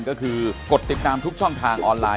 โปรดติดตามต่อไป